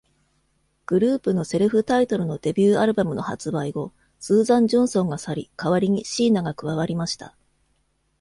グループのセルフタイトルのデビューアルバムの発売後、スーザン・ジョンソンが去り、代わりにシーナが加わりました。